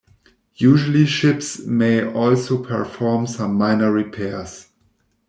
Usually ships may also perform some minor repairs.